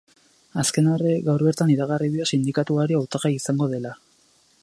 Azken horrek gaur bertan iragarri dio sindikatuari hautagai izango dela.